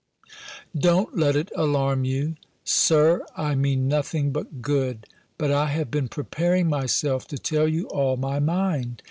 "Don't let it alarm you. Sir! I mean nothing but good! But I have been preparing myself to tell you all my mind.